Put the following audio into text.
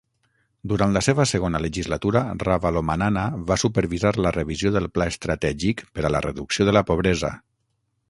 Durant la seva segona legislatura, Ravalomanana va supervisar la revisió del Pla estratègic per a la reducció de la pobresa.